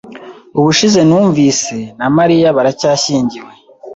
Ubushize numvise, na Mariya baracyashyingiwe.